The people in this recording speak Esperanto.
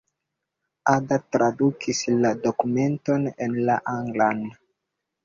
Ada tradukis la dokumenton en la anglan.